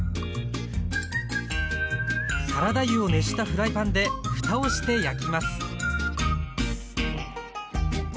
サラダ油を熱したフライパンでふたをして焼きます